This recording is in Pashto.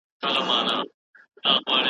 کمپيوټر نقشې تحليلوي.